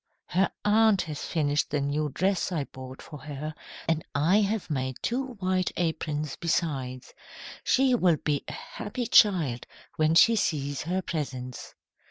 "Her aunt has finished the new dress I bought for her, and I have made two white aprons, besides. She will be a happy child when she sees her presents."